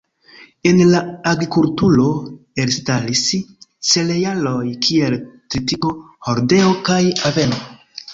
En la agrikulturo elstaris cerealoj kiel tritiko, hordeo kaj aveno.